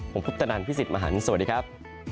ผมพุทธนันพี่สิทธิ์มหันฯสวัสดีครับ